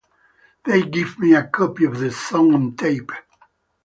They gave me a copy of the song on tape.